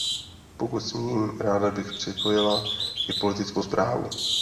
Pokud smím, ráda bych připojila i politickou zprávu.